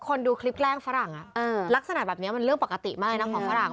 ดูคลิปแกล้งฝรั่งลักษณะแบบนี้มันเรื่องปกติมากเลยนะของฝรั่ง